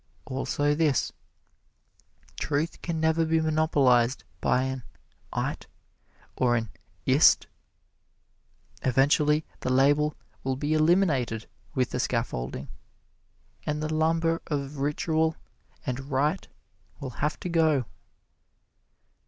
Also this: truth can never be monopolized by an "ite" or an "ist." Eventually the label will be eliminated with the scaffolding, and the lumber of ritual and rite will have to go.